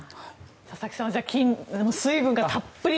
佐々木さんはじゃあ水分がたっぷり。